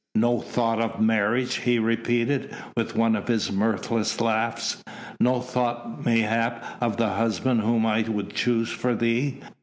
"No thought of marriage?" he repeated, with one of his mirthless laughs, "no thought, mayhap, of the husband whom I would choose for thee?